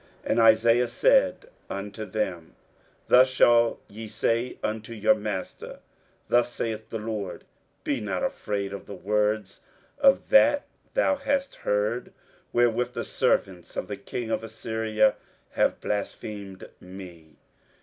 23:037:006 And Isaiah said unto them, Thus shall ye say unto your master, Thus saith the LORD, Be not afraid of the words that thou hast heard, wherewith the servants of the king of Assyria have blasphemed me.